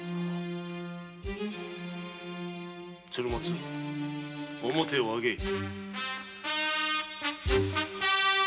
鶴松面を上げい。